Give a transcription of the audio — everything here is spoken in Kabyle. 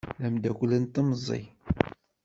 D amdakel n temẓi.